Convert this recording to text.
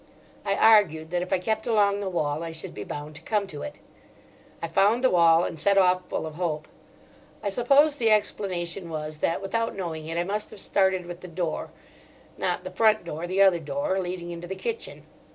I argued that if I kept along the wall I should be bound to come to it. I found the wall, and set off full of hope. I suppose the explanation was that, without knowing it, I must have started with the door, not the front door, the other door, leading into the kitchen.